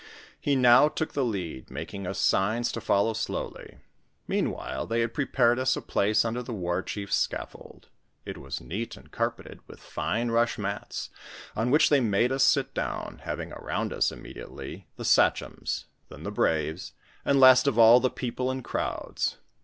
He now took the lead, making ns signs to follow slowly. Meanwhile they had prepared us a place under the war chiefs' scaffold ; it was neat and car peted with fine rush mats, on which they made us sit down, having around us immediately the sachems, then the braves, and last of all, the people in crowds.